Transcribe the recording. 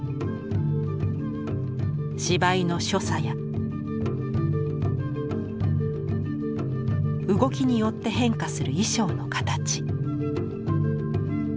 芝居の所作や動きによって変化する衣装の形。